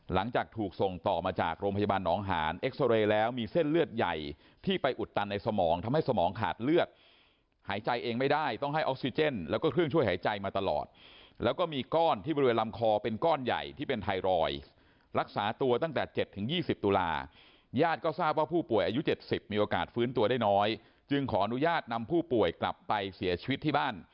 หลังจากถูกส่งต่อมาจากโรงพยาบาลน้องหารเอ็กซอเรย์แล้วมีเส้นเลือดใหญ่ที่ไปอุดตันในสมองทำให้สมองขาดเลือดหายใจเองไม่ได้ต้องให้ออกซิเจนแล้วก็เครื่องช่วยหายใจมาตลอดแล้วก็มีก้อนที่บริเวณลำคอเป็นก้อนใหญ่ที่เป็นไทรอยด์รักษาตัวตั้งแต่๗ถึง๒๐ตุลาคม